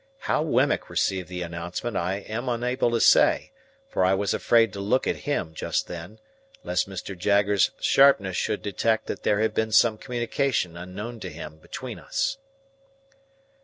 How Wemmick received the announcement I am unable to say; for I was afraid to look at him just then, lest Mr. Jaggers's sharpness should detect that there had been some communication unknown to him between us.